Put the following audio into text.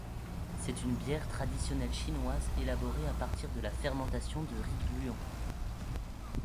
C'est une bière traditionnelle chinoise élaborée à partir de la fermentation de riz gluant.